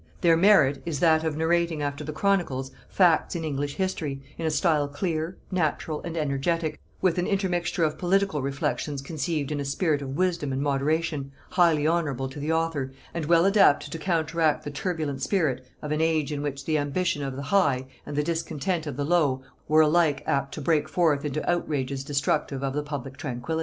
Their merit is that of narrating after the chronicles, facts in English history, in a style clear, natural, and energetic, with an intermixture of political reflections conceived in a spirit of wisdom and moderation, highly honorable to the author, and well adapted to counteract the turbulent spirit of an age in which the ambition of the high and the discontent of the low were alike apt to break forth into outrages destructive of the public tranquillity.